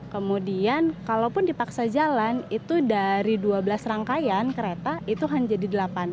kemudian kalaupun dipaksa jalan itu dari dua belas rangkaian kereta itu hanya jadi delapan